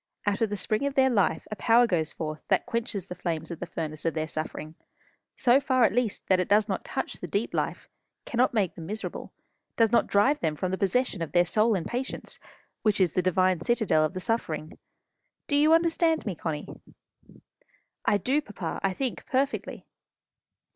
Out of the spring of their life a power goes forth that quenches the flames of the furnace of their suffering, so far at least that it does not touch the deep life, cannot make them miserable, does not drive them from the possession of their soul in patience, which is the divine citadel of the suffering. Do you understand me, Connie?" "I do, papa. I think perfectly."